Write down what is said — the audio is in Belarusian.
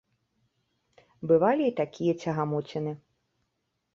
Бывалі і такія цягамоціны.